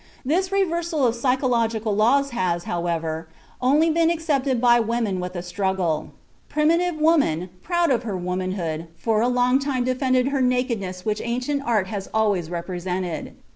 This reversal of psychological laws has, however, only been accepted by women with a struggle. Primitive woman, proud of her womanhood, for a long time defended her nakedness which ancient art has always represented.